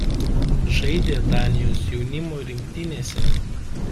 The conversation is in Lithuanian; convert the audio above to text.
Žaidė Danijos jaunimo rinktinėse.